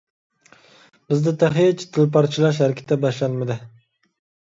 بىزدە تېخىچە تىل پارچىلاش ھەرىكىتى باشلانمىدى.